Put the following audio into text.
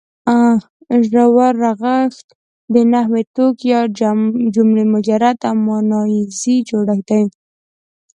ژور رغښت د نحوي توک یا جملې مجرد او ماناییز جوړښت دی.